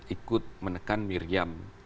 ikut menekan miriam